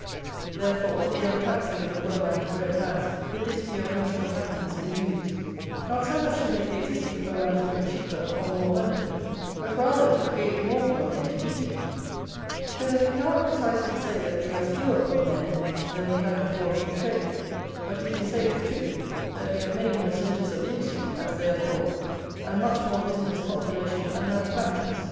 Therefore, the untaxing of the poor man's bread has, with this view of national happiness, been used, not so much to make the existing poor man's bread cheaper or more abundant, but rather to create more poor men to eat it; so that we cannot precisely say that we have fewer poor men than we had before free trade, but we can say with truth that we have many more centres of industry, as they are called, and much more business, population, and manufactures.